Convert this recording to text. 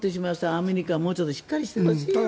アメリカはもうちょっとしっかりしてほしいな。